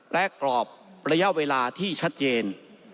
และกรอบระยะเวลาที่ชัดเจน